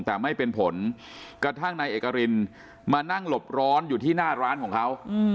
แต่ไม่เป็นผลกระทั่งนายเอกรินมานั่งหลบร้อนอยู่ที่หน้าร้านของเขา